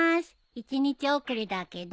一日遅れだけど。